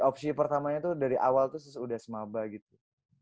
opsi pertamanya tuh dari awal tuh sudah semaba gitu